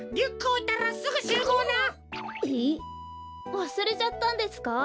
わすれちゃったんですか？